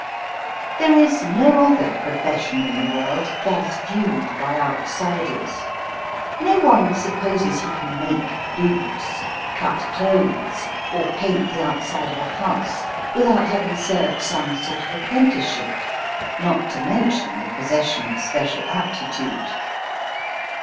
There is no other profession in the world thus viewed by outsiders. No one supposes he can make boots, cut clothes, or paint the outside of a house without having served some sort of apprenticeship, not to mention the possession of special aptitude.